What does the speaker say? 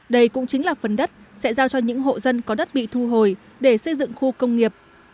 đây cũng chính là phần đất sẽ giao cho những hộ dân có đất bị thu hồi để xây dựng khu công nghiệp